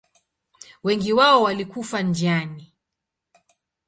Wengi wao walikufa njiani.